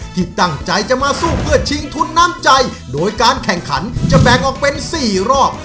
ที่ตั้งใจจะมาสู้เพื่อชิงทุนน้ำใจโดยการแข่งขันจะแบ่งออกเป็น๔รอบ